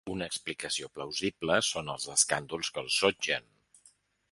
Una explicació plausible són els escàndols que el sotgen.